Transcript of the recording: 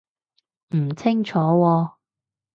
唔清楚喎